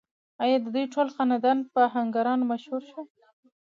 او ددوي ټول خاندان پۀ اهنګرانو مشهور شو ۔